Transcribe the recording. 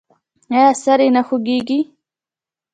ایا سر یې نه خوږیږي؟